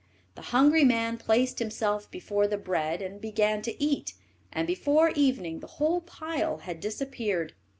The hungry man placed himself before the bread, and began to eat, and before evening the whole pile had disappeared.